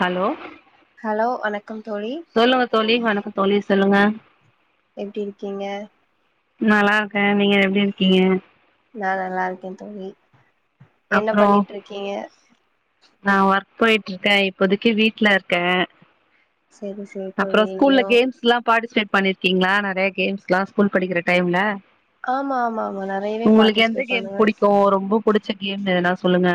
Hello hello வணக்கம் தோழி சொல்லுங்க தோழி வணக்கம் தோழி சொல்லுங்க எப்படி இருக்கீங்க நல்லா இருக்கே நீங்க எப்படி இருக்கீங்க நான் நல்லா இருக்கே தோழி என்ன பண்ணிட்டு இருக்கீங்க நான் ஒர்க் போயிட்டு இருக்கே இப்போதைக்கு வீட்டு்ல இருக்கே செரி செரி அப்புறோ தோழி ஸ்கூல்ல எங்கேயு கேம்ஸ் எல்லா பார்ட்டிசிபேட் பண்ணிருக்கீங்களா நெறைய கேம்ஸ் எல்லா ஸ்கூல் படிக்கிற டைம்ல ஆமா ஆமா ஆமா நெறையவே உங்களுக்கு எந்த பார்ட்டிசிபேட் கேம் பண்ணுவே புடிக்கு ரொம்ப புடிச்ச கேம் எதுனா சொல்லுங்க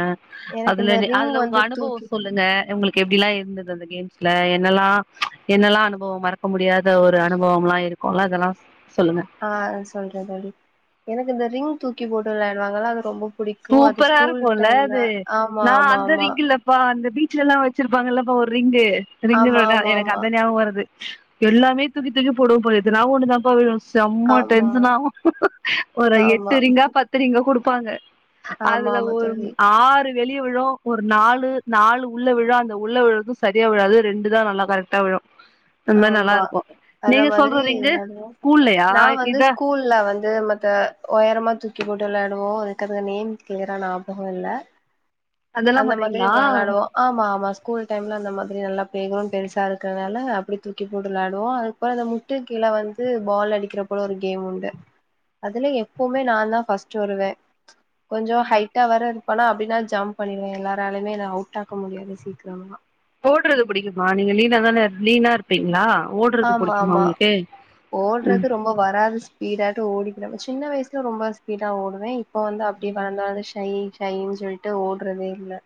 எனக்கு அதுல இந்த ரிங் அதுல உங்க வந்து அனுபவ தூக்கி சொல்லுங்க உங்களுக்கு எப்படிலா இருந்தது அந்த கேம்ஸ்ல என்னெல்லா என்னெல்லா அனுபவ மறக்க முடியாத ஒரு அனுபவ எல்லா இருக்கும்ல அதெல்லா சொல்லுங்க ஆ சொல்றே தோழி எனக்கு இந்த ரிங் தூக்கி போட்டு விளையாடுவாங்க இல்ல அது ரொம்ப புடிக்கு அது சூப்பரா ஸ்கூல் இருக்கும்ல டைம்ல அது ஆமா நா ஆமா அந்த ஆமா ரிங்கிலப்பா வந்து பீச்ல எல்லா வச்சிருப்பாங்க இல்லப்பா ஒரு ரிங்கு ஆமா ரிங்குனவே எனக்கு அந்த ஞாபகோ வருது எல்லாமே தூக்கி தூக் கி போடுவோ பா ஏதுனா ஒன்னு தா பா விழும் செம்ம ஆமா டென்சன் ஆவு ஒரு ஆமா ஆமா ஆமா எட்டு ரிங்கா பத்து ரிங்கா கொடுப் இருப்பாங்க ஆமா அதுல ஆமா ஒரு தோழி ஆறு வெளியே விழு ஒரு நாலு நாலு உள்ள விழு அந்த உள்ள விழுறது சரியா விழாது ரெண்டு தா நல்ல கரெக்டா விழு அந்த மாரி நல்லா ஆமா இருக்கு அந்த நீங்க மாதிரி சொல்ற ரிங்கு தா ஸ்கூல்லயா நா வந்து இதா ஸ்கூல்ல வந்து மத்த ஒயரமா தூக்கி போட்டு விளையாடுவோ அதுக்க நேம் கிளியரான ஞாபகோ இல்ல அதெல்லா அந்த மாதிரி பண்ணுவீங்களா விளாடுவோ ஆமா ஆமா ஸ்கூல் டைம்ல அந்த மாத் நல்லா பிளே கிரௌண்ட் பெருசா இருக்கறனால அப்படி தூக்கி போட்டு வெளாடுவோ அதுக்கு போல அந்த முட்டு கீழ வந்து பால் அடிக்கிற போல ஒரு கேம் உண்டு அதுல எப்போவுமே நாந்தா ஃபஸ்ட் வருவே கொஞ்சொ ம் ஹைட்டா வேற னா அப்படின்னா ஜம்ப் பண்ணிருவே எல்லாராலையுமே என்ன அவுட் ஆக்க முடியாது சீக்கிரமா ஓடுறது அப்படிங்களா ஆமாமா ஓடுறது ரொம்ப வராது ஸ்பீடாட்ட ஓடி நம்ம சின்ன வயசுல ரொம்ப ஸ்பீடா ஓடுவே இப்போ வந்து அப்டி ம் வளந்தனால ஷை ஷைன்னு சொல்லிட்டு ஓட்றதே இல்ல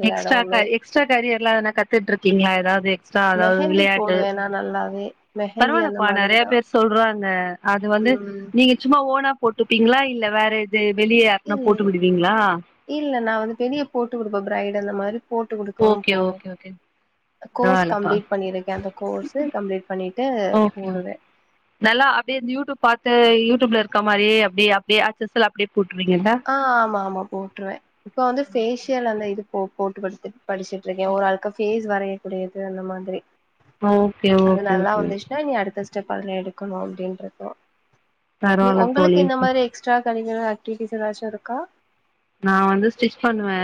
எல்லா எக்ஸ்ட்ரா எடமுமே கரி எக்ஸ்ட்ரா கரியர் லா எதுனா கத்துட்ருக்கீங்களா ஏதாவது எக்ஸ் ட்ரா எதாவது மெஹந்தி விளையாட்டு போடுவே நா நல்லாவே மெஹந்தி அந்த பரவால்லப்பா நெறைய மாதிரிதா பேர் சொல்றாங்க அது வந்து ம் நீங்க சும்மா ஓனா போட்டுப்பீங்களா இல்ல வேற இது வெளிய யாருக்குனா இல்ல போட்டு விடுவீங்களா இல்ல நா வந்து வெளிய போட்டு விடுவே பிரைடு இந்த மாரி போட்டு குடுக்கவு ஓகே போவே ஓகே ஓகே கோர்ஸ் பரவால்லப்பா கம்ப்ளீட் பண்ணிருக்கே அந்த கோர்ஸ் கம்ப்ளீட் பண்ணிட்டு ஓகே ஓகே போடுவே நல்லா அப்டியே இந்த யூடியூப் பாத்து யூடியூப்ல இருக்க மாரியே அப்படி அப்படி அச்சசல் அப்படி ஆ ஆமா ஆமா போட்ருவே இப்ப வந்து ஃபேஷியல் அந்த இது போ போட்டு ஃபஸ்ட்டு படிச்சுட்டு இருக்கே ஒரு ஆளுக்கு ஃபேஸ் வரயக்கூடியது அந்த மாதிரி okay okay okay okay check பண்ணி எடுக்கணு அப்டின்றதா பரவால்ல உங்களுக்கு தோழி இந்த மாரி எக்ஸ்ட்ரா கரிக்குலர் டி டி ஸ் ஏதாச்சு இருக்கா நா வந்து ஸ்டிச் பண்ணுவே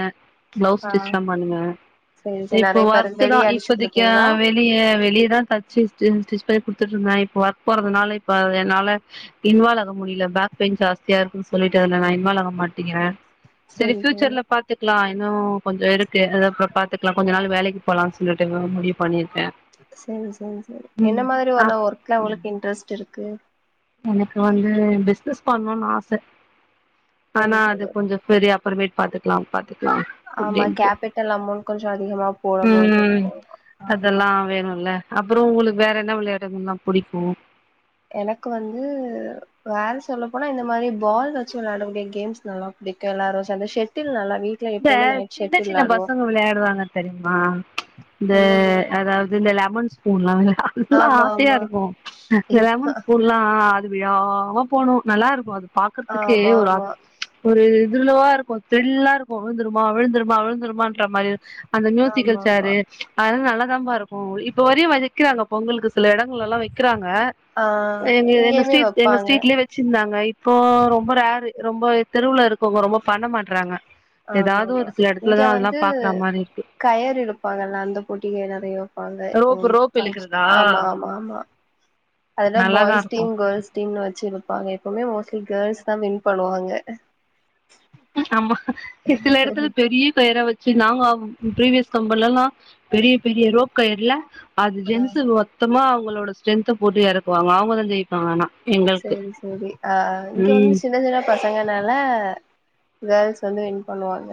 பிளவுஸ் ஆ ஸ்டிச்லா பண்ணுவே செரி செரி இப்போ நெறைய பேரு ஒர்க் தா வெளிய அடிச்சு இப்பதைக்கு குடுப்பீங்களா வெளிய வெளியேதா தச்சு ஸ்டி ஸ்டிச் பண்ணி குடுத் துட்டுருந்தே இப்ப ஒர்க் போறதுனால இப்ப அத என்னால இன்வாலாக முடில பேக் பெயின் ஜாஸ்தியா இருக்குன்னு சொல்லிட்டு அதுல நா இன்வாலாக மாட்டேங்கறே செரி ஃபியூச்சர்ல பாத்துக்கலா இன்னும் கொஞ்சொ இருக்கு அது அப்புறோ பாத்துக்கலா கொஞ்ச நாள் வேலைக்கு போலான் சொல்லிட்டு முடிவு பண்ணிரு செரி செரி செரி என்ன மாரி உள்ள அப் ஒர்க்ல உங்களுக்கு இன்ட்ரெஸ்ட் இருக் கு எனக்கு வந்து பிசினஸ் பண்ணுனு ஆச செரி ஆனா அது செரி கொஞ்ச பெரியா அப்பறமேட் பாத்துக்கலா பா ஆமா கேபிட்டல் அமௌண்ட் கொஞ்ச அதிகமா போறபோது ம் இருக்கு ஆமா அதெல்லா வேணுல்ல அப்புறோ உங்களுக்கு வேற என்ன விளையாட்டுகலொ புடிக்கு எனக்கு வந்து வேற சொல்ல போனா இந்த மாரி பால் வச்சு விளையாடக்கூடிய கேம்ஸ் நல்லா புடிக்கும் எல்லாரு அந்த ஷெட்டில் நல்லா வீட்ல இந்த எப்பவுமே நைட் சின்ன ஷெட்டில் சின்ன விளாடுவோ பசங்க விளையாடுவாங்க தெரியுமா இந்த இல்லைங்க அதாவது இந்த லெமன் ஸ் பூலால அதல்லாம் ஆமா ஆசையா ஆமா இருக்கு இப்ப லெமன் ஷ்பூல்ல்லா டியா அவ போகணு நல்லாருக்கு அது பாக்கறதுக்கே ஆமா ஒரு ஆ ஆமா ஒரு இதுர்லவா இருக்கு தெல்லா இருக்கு விழுந்துருமா விழுந்துருமா விழுந்துருமான்ற மாரி அந்த மியூசிக்கல் ஆமாமா. சாரு அத நல்லா இருக்கு இப்ப வரையு வைக்கிறாங்க பொங்கலு சில இடங்கள்ல எல்லா வைக்கிறாங்க ஆ க எங்க இங்கேயுமே ஸ்டீட் எங்க வப்பாங்க. ஸ்டீட்லயே வச்சிருந்தாங்க இப்போ ரொம்ப ரேரு ரொம்ப தெருவுல இருக்கவங்க ரொம்ப பண்ண மாட்றாங்க ஏதாவது ஆமாமா ஒரு சில இங்க எடத்துலதா அதெல்லா வந்து பாக்குற மாரி இருக்கு கயர் எடுப்பாங்கல்ல அந்த போட்டக்கு நெறையோ ரோப்பு ரோப் [unintelligible] இழுக்குறதா ஆமா ஆ ஆ அதல்லா நல்லாதா பாய்ஸ் இருக்கு டீம் கேர்ள்ஸ் டீம்னு வச் சப்பாங்க எப்பவுமே மோஸ்ட்லி கேர்ள்ஸ் தா வின் பண்ணுவாங்க ஆமா ஹே சில எடத்துல பெரியே கயார வச் சரி நாங்க ப்ரீவியஸ் கம்பெனல்லா பெரிய பெரிய ரோக்கயர்ல அது ஆ ஜென்ஸு மொத்தமா அவங்களோட ஸ்டென்த்த போட்டு எறக்குவாங்க அவங்கதா ஜயப்பாங்கனா சரி சரி ஆஹ் இங்க வந்து சின்ன சின்ன பசங்கனால கேர்ள்ஸ் வந்து வின் பண்ணுவாங்க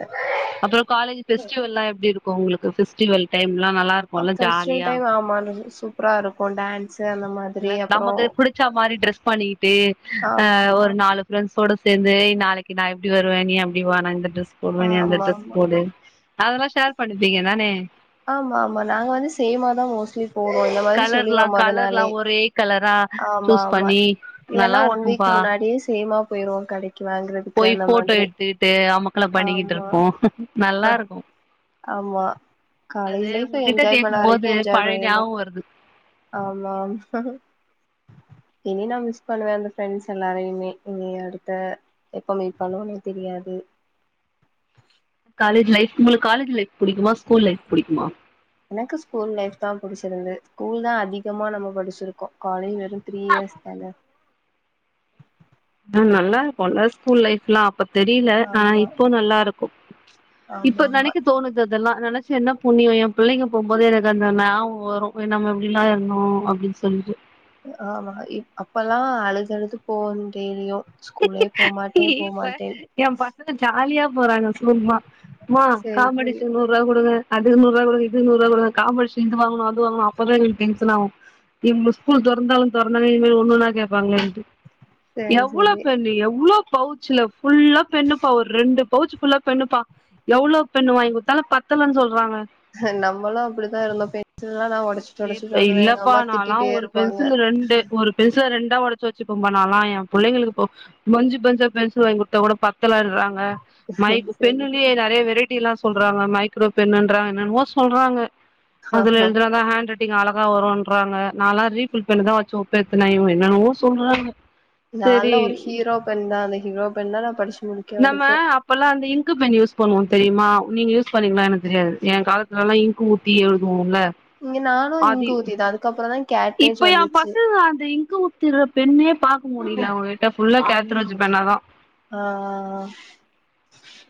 அப்புற காலேஜ் பெஸ்டிவல்லா எப்படிருக்கு உங்களுக்கு பெஸ்டிவல் டைம் பெஸ்டிவல் டைம் ஆமா சூப் சூப்பரா இருக்கு டான்ஸ் இல்ல நமக்கு புடிச்சா மாரி ட்ரெஸ் பண்ணிகிட்டு ஆமா அஹ் ஆமா. ஒரு நாலு ரெண்ட்ஸோட சேந்து நாளைக்கு நா எப்டி வருவே நீ அப்படிவா இந்த டஸ் பொன்மணி அந்த ஆமாமா. ட்ரெஸ் போடு அதெல்லா ஷேர் பண்ணிப்பீங்க தானே ஆமா ஆமா நாங்க வந்து சேம்மா தா மோஸ்ட்லி போ இந்த மாரி கலர்லா சொல்லிருவோ கலர்லா மொதனாளே ஒரே கலரா ஆமா சூஸ் ஆமா பண்ணி இல்லன்னா நல்லா ஒன் வீக் இருக்கும்பா முன்னாடியே சேமா போயிருவோ கடைக்கு வாங் போய் ஃபோட்டோ எடுத்துக்கிட்டு அமக்கல்ல பண்ணிக்கிட்டு ஆமா இருப்போ நல்லா இருக்கு ஆமா அது காலேஜ் லைஃப் உங்ககிட்ட என்ஜாய் பண்ண கேக்கும் வரைக்கு போது என்ஜாய் பழைய பண்ணிருனு ஞாபகோ வருது ஆமா ஆமா இனி நா மிஸ் பண்ணுவே அந்த ஃப்ரெண்ட்ஸ் எல்லாரையுமே இனி அடுத்த எப்ப மீட் பண்ணுவோனே தெரியாது காலேஜ் லைப் உங்களுக்கு காலேஜ் லைப் புடிக்குமா ஸ்கூல் லைப் புடிக்குமா எனக்கு ஸ்கூல் லைப் தா புடிச்சிருந்தது ஸ்கூல் தா அதிகமா நம்ம படிச்சுருக்கோ காலேஜ் த்ரீ இயர்ஸ் தான ஆ நல்லா இருக்குல்ல ஸ்கூல் லைப்லா அப்ப தெரில ஆனா ஆமா இப்போ நல்லா இருக்கு இப்ப ஆமா ஆமா நெனைக்க தோணுது இதெல்லா நெனைச்சு என்ன புண்ணியோ பிள்ளைங்க போம்போது எனக்கு அந்த ஞாபகோ வரு நம்ம எப்டிலா இருந்தோ அப்டின்னு சொல்ட்டு ஆமா இப் அப்ல்லா அழுது அழுது போகனு டெய்லியு ஸ்கூலே போமாட்டே இப்ப போமாட்டே எ பசங்க ஜாலியா போறாங்க சும்மா அம்மா சேரி சேரி காம்படிஷன்க்கு நூறுவா குடுங்க அதுக்கு நூறுவா குடுங்க இதுக்கு நூறுவா குடுங்க காம்படிஷன் இது வாங்கணு அது வாங்கணு அப்ப தா எங்களுக்கு டென்ஷனாகு இவுங்க ஸ்கூல் தெறந்தாலு தெறந்தாங்க இனிமே ஒன்னொன்னா கேப்பாங்களேன்ட்டு செரி செரி ஃபென் எவ்ளோ பவுச்சுல ஃபுல்லா பென்னுப்பா ஒரு ரெண்டு பவுச் ஃபுல்லா பென்னுப்பா எவ்ளோ பென்னு வாங்கி குடுத்தாலு பத்தலன்னு சொல்றாங்க நம்மளு அப்டிதா இருந்தோ பென்சி ஏப்பா இல்லப்பா நா லா திட்டிட்டே ஒரு இருப்பாங்க பென்சில ரெண்டு ஒரு பென்சில ரெண்டு டா ஒடச்சு வச்சுப்ப பா நாலா ஏ புள்ளைங்களுக்கு இப்ப பஞ்சு பஞ்சா பென்சில் வாங்கி குடுத்தா கூட பத்தலன்ட்றாங்க மைக் சேரி பென்லயே சேரி நெறைய வெரைட்டி எல்லா சொல்றாங்க மை க்ரோ பென்னுன்றா என்னனமோ சொல்றாங்க அதுல ஆஹா எழுதுனா தா ஹேன்ட் அழகா வருன்றாங்க நா லா ரீஃபில் பென் தா வச்சு ஒப்பேத்துனே என்னனமோ சொல்றாங்க நா லா செரி ஒரு ஹீரோ பென் தா அந்த ஹீரோ பென் தா நா படிச்சு முடிக்க நம்ம வரைக்கு அப்பல்லா அந்த இங்க்கு பென் யூஸ் பண்ணுவோ தெரியுமா நீங்க யூஸ் பண்ணீங்களா எனக்கு தெரியாது எ காலத்துல எல்லாம் இங்கு ஊத்தி எழுதுவோ இல்ல இங்க நானு இங்க்கு ஊத்தி தா அதுக்கப்புறோ தா கேட்ரேஜ் இப்ப எ வந்துச்சு பசங்க அந்த இங்க்கு ஊத்துற பெண்ணே பாக்க முடியல அவங்ககிட்ட ஃபுல்லா கேட்ரேஜ் பேனாதா ஆ ஆ ஆ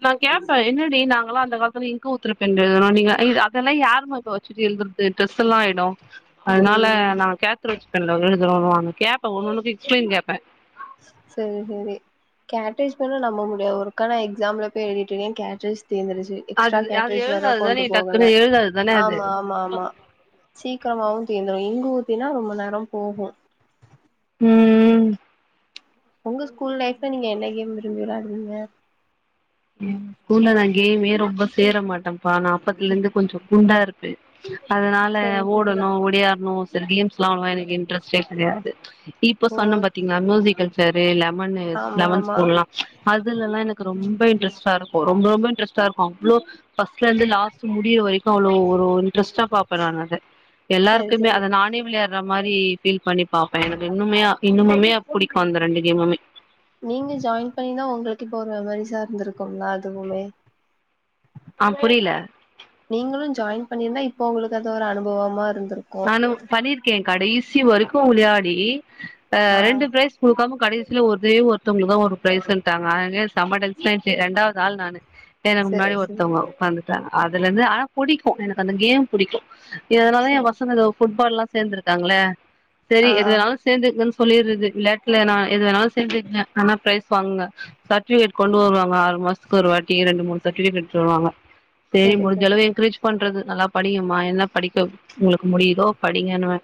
நா கேப்பே என்னடி நாங்களா அந்த காலத்துல இங்க்கு ஊத்தற பெண் எழுதுனோ எ அதெல்லா யாருமா இப்ப வச்சுட்டு எழுதுறது டிரெஸ்ல்லா ஆயிடும் அதனால ம் நா கேத்தரு [unintelligible] கேப்பன் ஒண்ணு ஒண்ணுக்கு எக்ஸ்பிளைன் கேப்ப சரி சரி கேட்ரிஜ் பண்ண நம்ப முடியாது ஒர்க்கா நா எக்ஸாம்ல போய் எழுதிட்டு இருந்த கேட்ரி தீந்துடுச்சு அது எக்ஸ்ட்ரா அது கேட்ரிட்ஐஂ வேர எழுதாது தானே கொண்டு போகல டக்குன்னு எழுதாது தானே அது ஆமா ஆமா ஆமா சீக்கிரமாவு தீந்து இங்கு ஊத்தினா ரொம்ப நேர போகும் உம் உம் உங்க ஸ்கூல் லைப் நீங்க என்ன கேம் விரும்பி விளாடுவீங்க ஸ்கூல்ல நா கேமே ரொம்ப சேர மாட்டேன்ப்பா நா அப்பத்துலருந்து கொஞ்ச குண்டா இருப்பே அதனால சரி சரி ஓடணு ஒடியாரணு திரிடியம்ஸ் லா எனக்கு இன்ட்ரெஸ்டே கெடையாது இப்ப ஓ சொன்ன பாத்தீங்களா மியூசிகல் சேர்ரு லெமன்னு ஆமா லெமன் ஆமா ஸ்பூன்லா அதுலல்லா எனக்கு ரொம்ப ரொம்ப ரொம்ப இன்டரஸ்ட்டா இருக்கு அவ்வளோ பர்ஸ்ட்லந்து லாஸ்ட் முடியற வரைக்கு அவ்வளோ ஒரு இன்டரஸ்டா பாபே நா அத சரி எல்லாருக்குமே சரி அத நானே விளையா மாதிரி ஃபீல் பண்ணி பாப்பே எனக்கு இன்னுமே இன்னுமமே புடிக்கு அந்த ரெண்டு கேமுமே நீங்க ஜாயின் பண்ணிதா உங்களுக்கு இப்ப ஒரு மெமரிஸா இருந்திருக்கும்லா அதுவுமே ஆஹ் புரியல நீங்களு ஜாயின் பண்ணிருந்தா இப்ப உங்களுக்கு அத ஒரு அனுபவமா இருந் நானு பண்ணிருக்கே கடை சி வரைக்கு வுளையாடி ஆ ரெண்டு பிரைஸ் குடுக் கடைசியில ஒரே ஒருத்தவங்க தா ஒரு பிரைஸ்ன்ட்டாங்க அதுலயே செம்ம டென்ஸன் ஆயிடுச்சு ரெண்டாவது ஆள் நானு எனக்கு சரி முன்னாடி சரி ஒருத்தவங்க உக்கா அதுல இருந்து ஆனா புடிக்கு எனக்கு அந்த கேம் புடிக்கு இதனால சரி [inaudible] புட்பால்லா சேந்திருக்காங்கள சரி ஆ எதுனாலு சேந்து சொல்லிறது விளாட்ல நா எது வேணாலு சேந்துக்ங்க ஆனா ப்ரைஸ் ஃபங்க சர்டிபியேட் கொண்டு வருவாங்க ஆல்மோஸ்ட் ஒரு வாட்டி ரெண்டு மூணு சர்டிபியேட் எட்டு வருவாங்க சரி முடிஞ்ச அளவு என்கரேஜ் பண்றது நல்லா படிக்குமா என்ன படிக்கப் உங்களுக்கு முடியுதோ படிங்கனுவ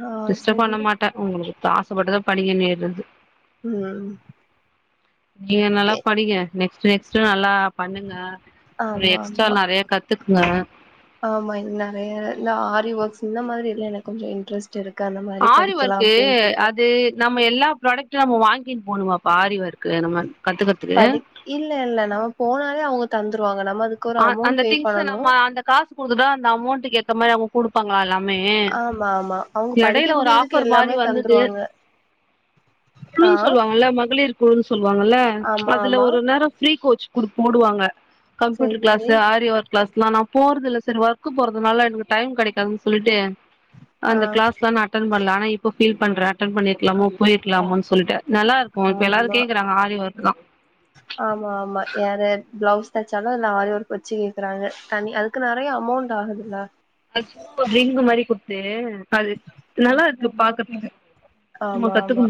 ஆ டிஸ்டர்ப் பண்ண சரி மாட்ட உங்களுக் ஆசபட்டுதா படிக நேறது ம் நீங்க நல்லா எ படிக்க நெக்ஸ்ட் நெக்ஸ் ஸ்ட் நல்லா பண்ணுங்க அப்றோ ஆமா எக்ஸ்ட்ரா ஆமா நெறைய கத்துகுங்க ஆமா இது நெறைய இந்த ஆரி ஒர்க்ஸ் இந்த மாரி லா எனக்கு கொஞ்சோ இன்ட்ரஸ்ட் ஆரி வொர்க்கு அது நம்ம எல்லா ப்ராடெக்ட் டு நம்ம வாங்கினு போணுமாப்ப ஆரி வொர்க்கு நம்ம கத்துக்கறதுக்கு படி இல்ல இல்ல நம்ம போனாலே அவுங்க தந்துருவாங்க நம் ஆ அந்த திங்ஸ் நம்ம அந்த காசு குடுத்துட்டா அந்த அமொளண்ட் எத் ந்த மாறி அவுங்க குடுப்பாங் எல்லாமே ஆமா ஆமா அவங்க படிக்க எடைல ஒரு கூடியதுக்கு ஆஃபர் மாரி எல்லாமே வந்துது தந்துருவாங்க குழு ஆ சொல்லுவாங்கல மகளிர் குழு சொல்வாங்கல்ல ஆமா அதுல ஆமா ஒரு நேரோ ஃப்ரீ கோர்ஸ் குடுப் போடுவாங்க செரி கம்ப்யூட்டர் க்ளாஸு செரி ஆரி வொர்க் க்ளாஸ்லா நா போறது இல்ல சரி ஒர்க்கு போறதுனால எனக்கு டைம் கிடைக்காதுன் சொல்லிட்டு ஆ அந்த க்ளாஸ்லா நா அட்டன் பண்ல ஆனா இப்போ ஃபீல் பண்ற அட்டன் பண்ணிருக்கலாமோ போய்ருக்கலாமோன் சொல்ட்டு நல்லா இருக்கு இப்ப எல்லாரு ஆமா கேக்கறாங்க ஆரி வொர்க் தா ஆமா ஆமா யாரு பிளவுஸ் தச்சாலு அதுல ஆரி வொர்க் வச்சு கேக்கறாங்க தனி அதுக்கு நெறைய அமொளண்ட் ஆகுதுல்ல அக்சுலா ஒரு ரிங்கு மாரி குட்த்து அது நல்லாருக்கு பாக்றதுக்கு ஆமா ஆமா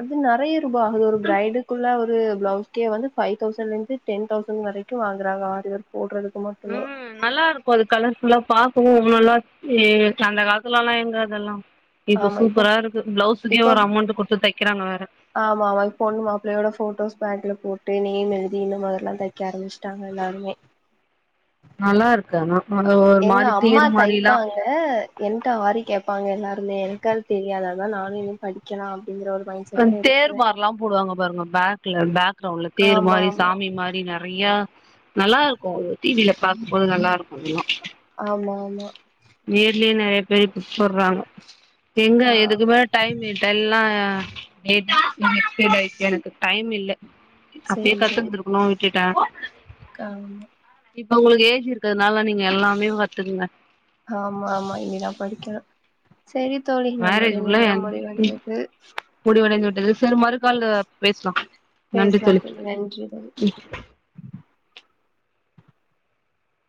அது நெறைய ரூபா அது ஒரு ப்ரைட்டுகுள்ள ஒரு பிளவுஸ் வந்து பைவ் தௌசண்ட்லந்து டென் தௌசண்ட் வரைக்கு வாங்குறாங்க ஆரி வொர்க் போட்றது ம் நல்லாருக்கு அது கலர் ஃபுல்லா பாக்கவு ஒ நல்லா ஏ அந்த காலத்துல எல்லா எங்க அதெல்லா இப்ப ஆமா இப்போ சூப்பரா இருக்கு பிளவுஸுக்கே இப்ப ஒரு அமௌண்ட் குடுத்து தைக்கிறாங்க வேற ஆமா ஆமா இப்ப ஒண்ணு மாப்பிள்ளையோட போட்டோஸ் பேக்ல போட்டு நேம் எழுதி இந்த மாரெல்லா தக்க ஆரம்ச்ட்டாங்க எல்லாருமே நல்லாருக்கு ஆனா அது ஒரு எங்க மாரி அம்மா தேர் மாரிலா தைப்பாங்க என்ட்ட ஆரி கேப்பாங்க எல்லாருமே எனக்கது தெரியாத அத தா நானு இன்னு படிக்கலா அப்படிங்கிற ஒரு மைண்ட் செட்ல தேர் இருக்கிறே மாரெல்லா போடுவாங்க பாருங்க பேக் க்ல பேக் கரவுன்ல தேர் ஆமா மாரி ஆமா சாமி மாரி நெறையா நல்லா இருக்கு அது டி வி ல் பாக்கும்போது நல்லா இருக்கு அதுல்லா ஆமா ஆமா பே இப்ப போடுறாங்க எங்க ஆ இதுக்கு மேல டைமிட்டெல்லா [inaudible] எனக்கு டைம் இல்ல அப்பயே கத்துர்ந்திருக்கணு கிட்டா காமா இப்ப உங்களுக்கு ஏஜ் இருக்காது அதனால நீங்க எல்லாமே வ ஆமா ஆமா இனிதா படிக்கனு செரி தோழி நம்மளுடைய மேரேஜ்க்குள்ள நேரம் முடிவடைந்தது முடிவடைந்து விட்டது சரி மறுக்கால்ல பேசலா நன்றி பேசலாம் தோழி நன்றி தோழி ம்